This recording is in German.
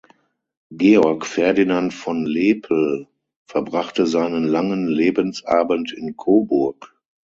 Georg Ferdinand von Lepel verbrachte seinen langen Lebensabend in Coburg.